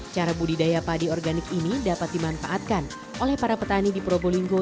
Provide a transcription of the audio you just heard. cara budidaya padi organik ini dapat dimanfaatkan oleh para petani di probolinggo